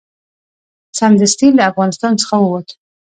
سمدستي له افغانستان څخه ووت.